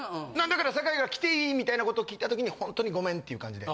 だから酒井が来ていい？みたいなことを聞いた時にほんとにごめんっていう感じで。